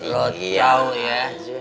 lo tau ya